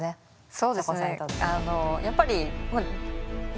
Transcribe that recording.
そうですね。